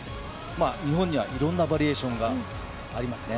日本にはいろんなバリエーションがありますね。